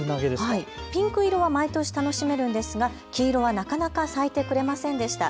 ピンク色は毎年楽しめるんですが黄色はなかなか咲いてくれませんでした。